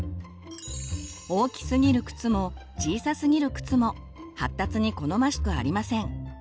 大きすぎる靴も小さすぎる靴も発達に好ましくありません。